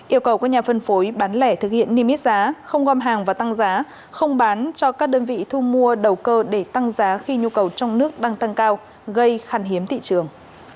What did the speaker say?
yêu cầu các nhà phân phối bán lẻ thực hiện niêm yết giá không gom hàng và tăng giá không bán cho các đơn vị thu mua đầu cơ để tăng giá khi nhu cầu trong nước đang tăng cao gây khăn hiếm thị trường